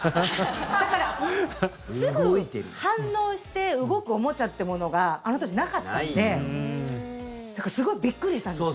だから、すぐ反応して動くおもちゃってものがあの当時、なかったんでだからすごくびっくりしたんですよ。